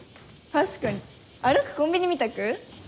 確かに歩くコンビニみたく？